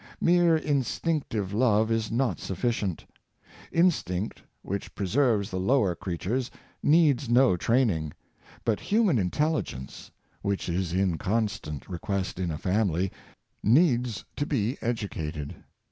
Mere instinctive love is not sufficient. Instinct, which Woman'' s Intelligence, 113 preserves the lower creatures, needs no training; but human intelHgence, which is in constant request in a family, needs to be educated.